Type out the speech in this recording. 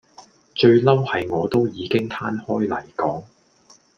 最嬲係我都已經攤開嚟講